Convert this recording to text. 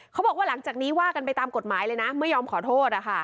เขาบอกว่าหลังจากนี้ว่ากันไปตามกฎหมายเลยนะไม่ยอมขอโทษ